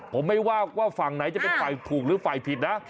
ผมไม่ว่าฝั่งไหนจะเป็นฝ่ายถูกหรือฝ่ายผิดนะ